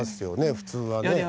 普通はね。